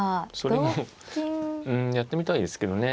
それもやってみたいですけどね。